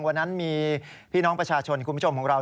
วันนั้นมีพี่น้องประชาชนคุณผู้ชมของเรา